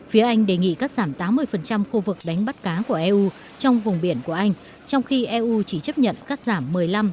phía anh đề nghị cắt giảm tám mươi khu vực đánh bắt cá của eu trong vùng biển của anh trong khi eu chỉ chấp nhận cắt giảm một mươi năm